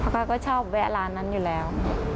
เพราะเขาก็ชอบแวะร้านนั้นอยู่แล้ว